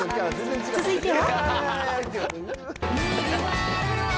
続いては。